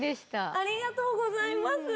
ありがとうございます！